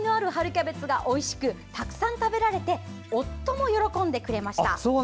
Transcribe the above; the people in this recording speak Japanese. キャベツがおいしくたくさん食べられて夫も喜んでくれました。